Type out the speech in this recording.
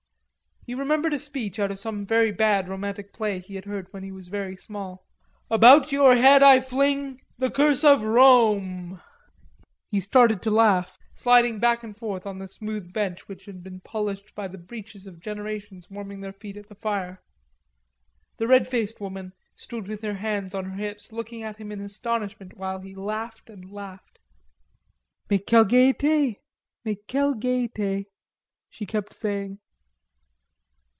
He remembered a speech out of some very bad romantic play he had heard when he was very small. "About your head I fling... the curse of Rome." He started to laugh, sliding back and forth on the smooth bench which had been polished by the breeches of generations warming their feet at the fire. The red faced woman stood with her hands on her hips looking at him in astonishment, while he laughed and laughed. "Mais quelle gaite, quelle gaite," she kept saying.